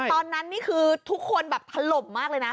ตอนนั้นนี่คือทุกคนแบบถล่มมากเลยนะ